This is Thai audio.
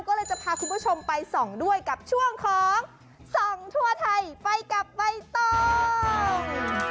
ก็เลยจะพาคุณผู้ชมไปส่องด้วยกับช่วงของส่องทั่วไทยไปกับใบตอง